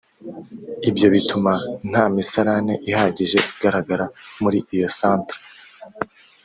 Ibyo bituma nta misarane ihagije igaragara muri iyo santere